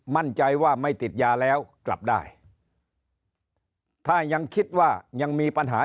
มั่นใจว่าไม่ติดยาแล้วกลับได้ถ้ายังคิดว่ายังมีปัญหา